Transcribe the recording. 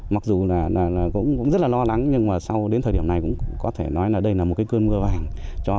mặc dù là cũng rất là lo lắng nhưng mà sau đến thời điểm này cũng có thể nói là đây là một cái cơn mưa vàng